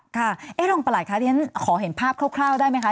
ค่ะเอ๊ะรองประหลายค่ะขอเห็นภาพคร่าวได้ไหมคะ